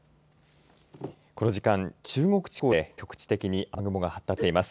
この時間中国地方で局地的に雨雲が発達しています。